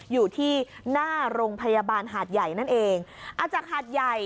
อยู่ที่หน้าโรงพยาบาลหาดใหญ่นั่นเองอาจจะหาดใหญ่